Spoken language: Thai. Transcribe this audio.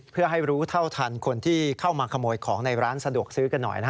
เพื่อให้รู้เท่าทันคนที่เข้ามาขโมยของในร้านสะดวกซื้อกันหน่อย